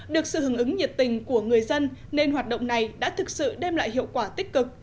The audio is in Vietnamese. được sự hứng ứng nhiệt tình của người dân nên hoạt động này đã thực sự đem lại hiệu quả tích cực